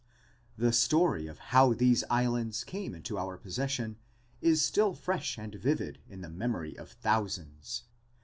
The story of how these islands came into our possession is still fresh and vivid in the memory of thousands.